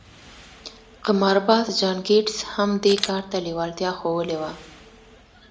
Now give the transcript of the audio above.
قمارباز جان ګيټس هم دې کار ته لېوالتيا ښوولې وه.